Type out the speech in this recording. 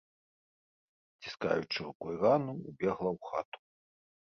Заціскаючы рукой рану, убегла ў хату.